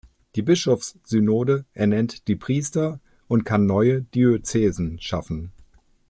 Die Bischofssynode ernennt die Priester und kann neue Diözesen schaffen.